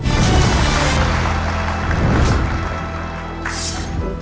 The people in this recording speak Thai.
คุณจ๊ะขอให้โชคดีนะครับ